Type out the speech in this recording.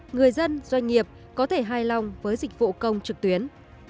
người dân doanh nghiệp có thể hài lòng với dịch vụ công trực tuyến